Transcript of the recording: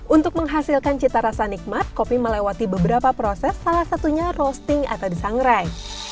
untuk menghasilkan cita rasa nikmat kopi melewati beberapa proses salah satunya roasting atau disangrai